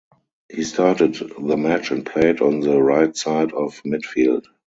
He started the match and played on the right side of midfield.